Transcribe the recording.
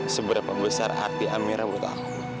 seberapa besar hati amera buat aku